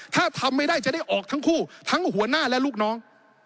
ถ้าทำไม่ได้จะได้ออกทั้งคู่ทั้งหัวหน้าและลูกน้อง